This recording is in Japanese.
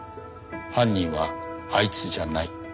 犯人はあいつじゃない。